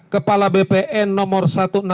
kepala bpn nomor satu ratus enam puluh